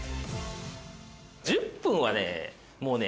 「１０分はねもうね